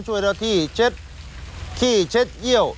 ช่วยที่เช็ดขี้เช็ดเยี่ยว